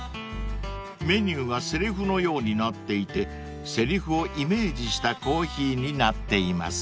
［メニューがせりふのようになっていてせりふをイメージしたコーヒーになっています］